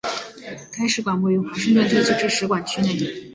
该使馆位于华盛顿特区之使馆区内。